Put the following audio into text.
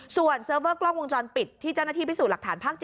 ส่วนเซิร์ฟเวอร์กล้องวงจรปิดที่เจ้าหน้าที่พิสูจน์หลักฐานภาค๗